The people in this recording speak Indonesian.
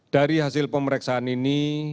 dari hasil pemeriksaan ini